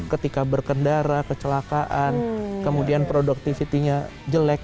ketika berkendara kecelakaan kemudian productivity nya jelek